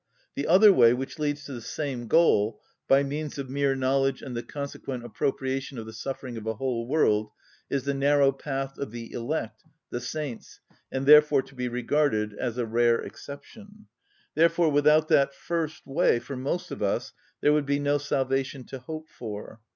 The other way, which leads to the same goal, by means of mere knowledge and the consequent appropriation of the suffering of a whole world, is the narrow path of the elect, the saints, and therefore to be regarded as a rare exception. Therefore without that first way for most of us there would be no salvation to hope for.